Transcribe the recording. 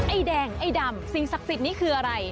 ไอ้แดงไอ้ดำสิ่งศักดิ์สิทธิ์นี้คืออะไร